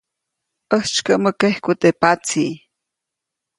ʼÄjtsykäʼmä kejku teʼ patsi.